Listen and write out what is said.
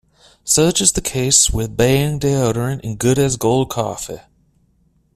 Such is the case with Ban Deodorant and Good as Gold Coffee.